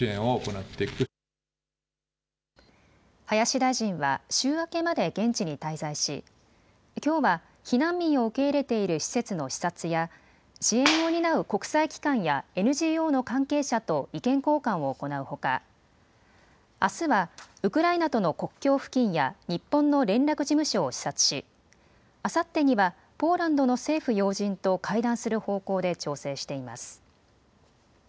林大臣は週明けまで現地に滞在しきょうは避難民を受け入れている施設の視察や支援を担う国際機関やＮＧＯの関係者と意見交換を行うほかあすはウクライナとの国境付近や日本の連絡事務所を視察しあさってにはポーランドの政府要人と会談する方向で調整しています。